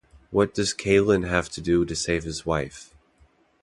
What does Kalyan have to do to save his wife?